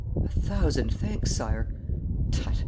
'A thousand thanks, sire.' 'Tut!